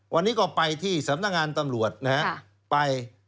วันนี้ก็ไปที่สำนักงานตำรวจนะฮะไป